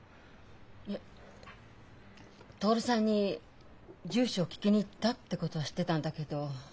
いや徹さんに住所を聞きに行ったってことは知ってたんだけど。